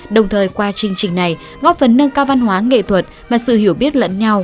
đồng thời qua chương trình này góp phần nâng cao văn hóa nghệ thuật và sự hiểu biết lẫn nhau